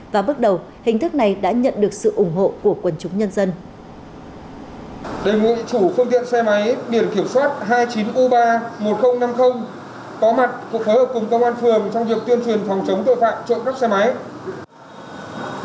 và bước đầu hình thức này đã nhận được sự ủng hộ của quần chúng nhân dân